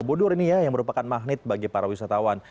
bodor ini ya yang merupakan magnet bagi para wisatawan